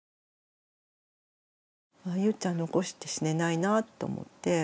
ああゆうちゃん残して死ねないなと思って。